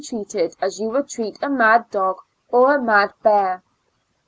treated as you would treat a mad dog or mad bear.